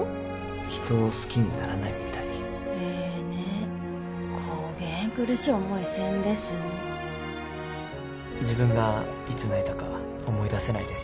人を好きにならないみたいええねこげん苦しい思いせんですむ自分がいつ泣いたか思い出せないです